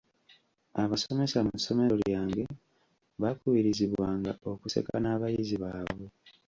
Abasomesa mu ssomero lyange baakubirizibwanga okuseka n'abayizi baabwe.